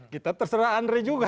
kita terserah andre juga